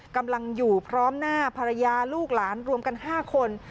กำลังอยู่พร้อมหน้าภรรยาลูกหลานรวมกัน๕คน